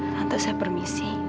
tante saya permisi